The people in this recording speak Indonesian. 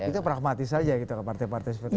itu pragmatis saja gitu ke partai partai seperti itu